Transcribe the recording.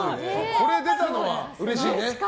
それが出たのはうれしいね。